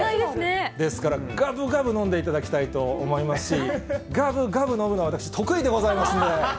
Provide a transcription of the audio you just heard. ですから、がぶがぶ飲んでいただきたいと思いますし、がぶがぶ飲むのは私、得意でございますんで。